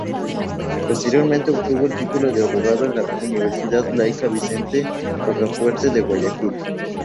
Posteriormente obtuvo el título de abogado en la Universidad Laica Vicente Rocafuerte de Guayaquil.